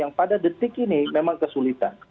yang pada detik ini memang kesulitan